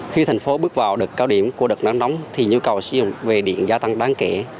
khi thành phố bước vào được cao điểm của đợt nắng nóng thì nhu cầu sử dụng về điện gia tăng đáng kể